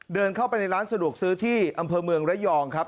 เดินเข้าไปในร้านสะดวกซื้อที่อำเภอเมืองระยองครับ